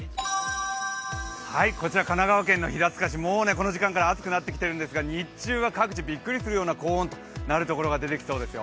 こちら神奈川県平塚市、もうこの時間から暑くなってきているんですが、日中は各地、びっくりするような高温となるところが出てきそうですよ。